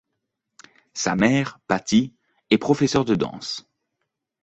Sa mère, Patti, est professeur de danse.